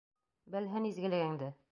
Белһен изгелегеңде!